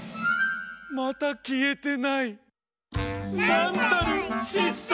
またきえてない⁉